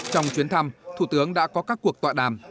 trong chuyến thăm thủ tướng đã có các cuộc tọa đàm